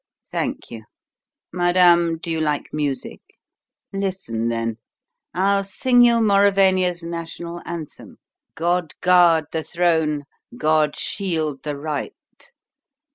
Thank you. Madame, do you like music? Listen, then: I'll sing you Mauravania's national anthem: 'God guard the throne; God shield the right!'"